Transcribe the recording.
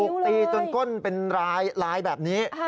ตีจนก้นเป็นลายแบบนี้